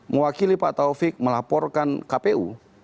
mewakili pak taufik melaporkan kpu